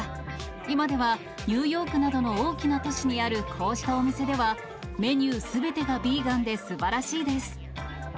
今ではニューヨークなどの大きな都市にあるこうしたお店では、メニューすべてがビーガンですばらしいです。